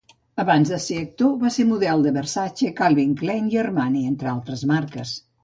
Abans de ser actor, va ser model de Versace, Calvin Klein i Armani, entre altres marques.